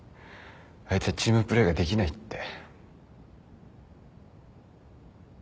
「あいつはチームプレーができない」って。